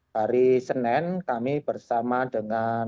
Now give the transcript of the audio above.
hari senin kami bersama dengan